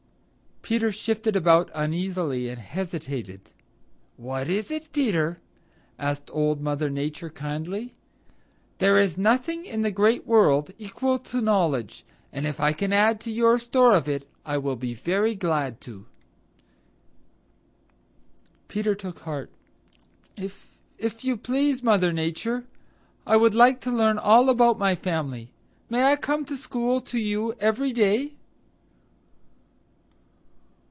Peter shifted about uneasily and hesitated. "What is it, Peter?" asked Old Mother Nature kindly. "There is nothing in the Great World equal to knowledge, and if I can add to your store of it I will be very glad to." Peter took heart. "If if you please, Mother Nature, I would like to learn all about my family. May come to school to you every day?"